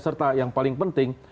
serta yang paling penting